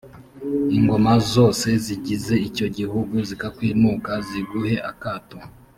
ingoma zose zigize icyo gihugu zizakwinuka, ziguhe akato.